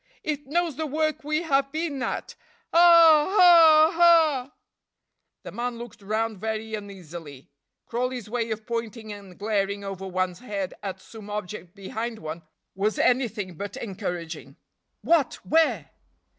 It knows the work we have been at. Ah! ah! ah!" The man looked round very uneasily. Crawley's way of pointing and glaring over one's head at some object behind one was anything but encouraging. "What? where?"